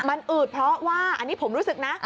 มันอืดเพราะว่าอันนี้ผมรู้สึกนะ